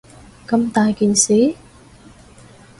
咁大件事